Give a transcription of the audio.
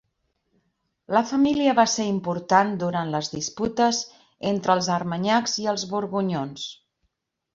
La família va ser important durant les disputes entre els armanyacs i els borgonyons.